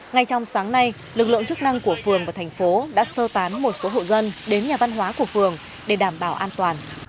ngay trong sáng nay lực lượng chức năng của phường và thành phố đã sơ tán một số hộ dân đến nhà văn hóa của phường để đảm bảo an toàn